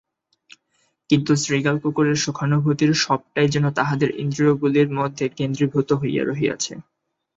কিন্তু শৃগাল-কুকুরের সুখানুভূতির সবটাই যেন তাহাদের ইন্দ্রিয়গুলির মধ্যে কেন্দ্রীভূত হইয়া রহিয়াছে।